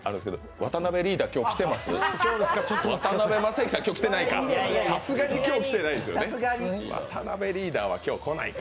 渡辺リーダーは今日来ないか。